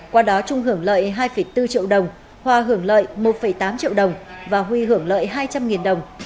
qua đó trung hưởng lợi hai bốn triệu đồng hòa hưởng lợi một tám triệu đồng và huy hưởng lợi hai trăm linh đồng